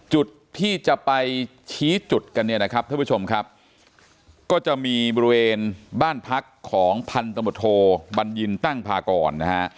จุดที่จะไปชี้จุดกันจะมีบริเวณบ้านพักของพันธมโภบรรยินตั้งภากร